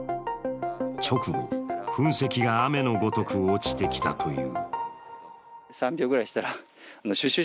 直後、噴石が雨のごとく落ちてきたという。